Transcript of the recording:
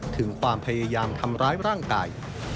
ถึงความพยายามทำร้ายร่างกาย